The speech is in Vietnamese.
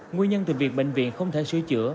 nguyên nhân từ việc bệnh viện không thể sửa chữa